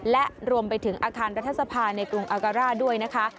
และรวมไปถึงอาคารรัฐสภาในกรุงอาการ่าด้วยนะคะ